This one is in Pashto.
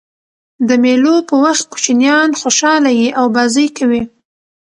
د مېلو په وخت کوچنيان خوشحاله يي او بازۍ کوي.